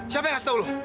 siapa yang kasih tau lo